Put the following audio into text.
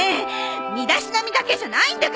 身だしなみだけじゃないんだからね！